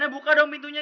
jiana buka dong pintunya